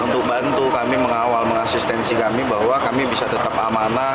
untuk bantu kami mengawal mengasistensi kami bahwa kami bisa tetap amanah